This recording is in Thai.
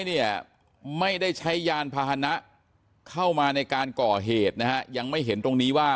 เนี่ยไม่ได้ใช้ยานพาหนะเข้ามาในการก่อเหตุนะฮะยังไม่เห็นตรงนี้ว่า